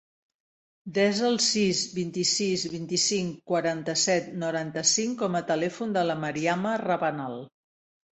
Desa el sis, vint-i-sis, vint-i-cinc, quaranta-set, noranta-cinc com a telèfon de la Mariama Rabanal.